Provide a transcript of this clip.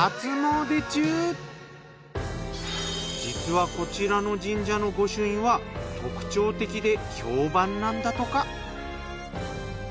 実はこちらの神社の御朱印は特徴的で評判なんだとか。